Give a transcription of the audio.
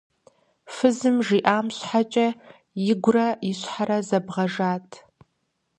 Фызым жиӀам щхьэкӀэ игурэ и щхьэрэ зэбгъэжат.